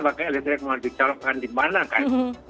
pakai elektrik mau dicalonkan di mana kan